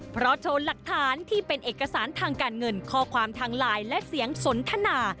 เพราะโชว์หลักฐานที่เป็นเอกสารทางการเงินข้อความทางไลน์และเสียงสนทนา